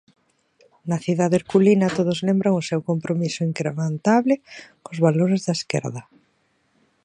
Na cidade herculina todos lembran o seu compromiso inquebrantable cos valores da esquerda.